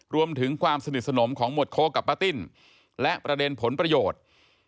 รวมถึงความสนิทสนมของหมวดโค้กกับป้าติ้นและประเด็นผลประโยชน์